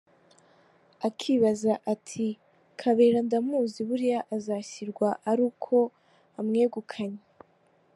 Akibaza ati “Kabera ndamuzi buriya azashirwa ari uko amwegukanye.